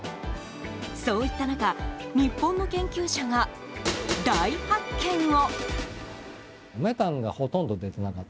そういった中日本の研究者が大発見を。